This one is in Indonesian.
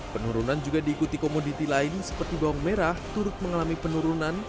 penurunan juga diikuti komoditi lain seperti bawang merah turut mengalami penurunan